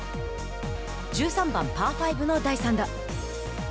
１３番パー５の第３打。